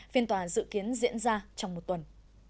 phiên tòa dự kiến diễn ra trong một tuần